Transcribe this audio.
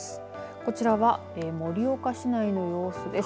こちらは盛岡市内の様子です。